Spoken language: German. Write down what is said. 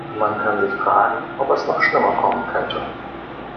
Man kann sich fragen, ob es noch schlimmer kommen könnte.